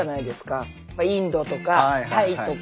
インドとかタイとか。